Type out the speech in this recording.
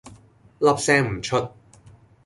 粒聲唔出